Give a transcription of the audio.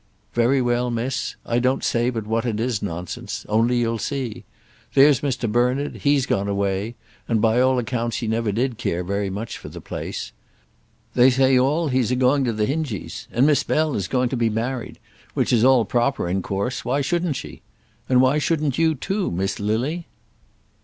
"Very well, miss. I don't say but what it is nonsense; only you'll see. There's Mr. Bernard, he's gone away; and by all accounts he never did care very much for the place. They all say he's a going to the Hingies. And Miss Bell is going to be married, which is all proper, in course; why shouldn't she? And why shouldn't you, too, Miss Lily?"